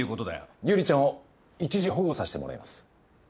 悠里ちゃんを一時保護させてもらいます。